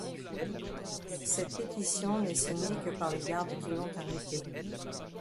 Cette pétition n'est signée que par les gardes qui l'ont arrêtée.